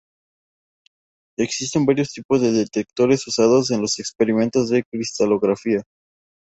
Existen varios tipos de detectores usados en los experimentos de cristalografía.